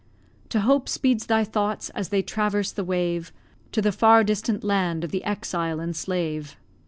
No hope speeds thy thoughts as they traverse the wave To the far distant land of the exile and slave.